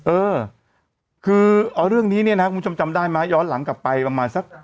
เออคือเอาเรื่องนี้เนี่ยนะครับคุณผู้ชมจำได้ไหมย้อนหลังกลับไปประมาณสัก